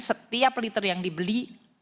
setiap liter yang dibeli